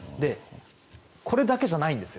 これだけじゃないんです。